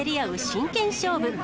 真剣勝負。